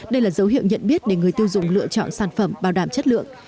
đây là dấu hiệu nhận biết để người tiêu dùng lựa chọn sản phẩm bảo đảm chất lượng